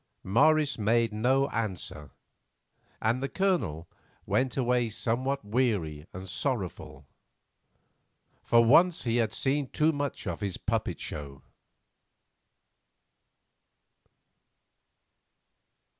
Morris made no answer, and the Colonel went away somewhat weary and sorrowful. For once he had seen too much of his puppet show.